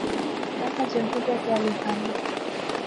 پڑھ خاں، جنگتے کیاکہیہ لیخاناں